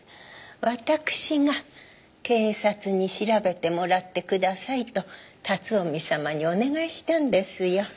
私が警察に調べてもらってくださいと辰臣様にお願いしたんですよ。